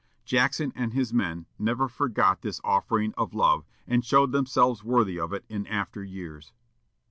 Jackson and his men never forgot this offering of love, and showed themselves worthy of it in after years.